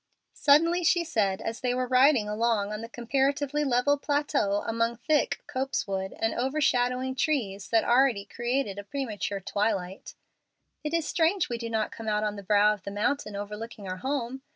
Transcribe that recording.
Suddenly she said, as they were riding along on the comparatively level plateau among thick copse wood and overshadowing trees that already created a premature twilight, "It is strange we do not come out on the brow of the mountain overlooking our home.